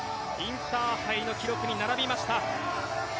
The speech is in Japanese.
インターハイの記録に並びました。